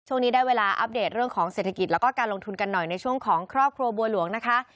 ช่วงนี้ได้เวลาอัปเดตเรื่องของเศรษฐกิจแล้วก็การลงทุนกันหน่อยในช่วงของครอบครัวบัวหลวงนะคะ